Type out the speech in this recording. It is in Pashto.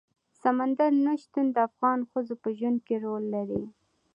سمندر نه شتون د افغان ښځو په ژوند کې رول لري.